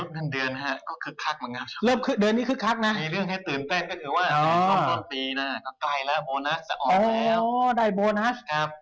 มีเรื่องให้ตื่นเต้นก็คือว่าตอนปีน่ะก็ใกล้แล้วโบนัสจะออกแล้ว